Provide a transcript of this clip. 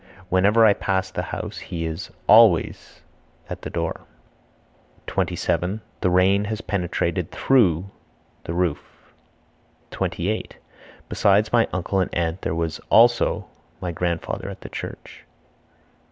Whenever I pass the house he is (always) at the door. 27. The rain has penetrated (through) the roof. 28. Besides my uncle and aunt there was (also) my grandfather at the church.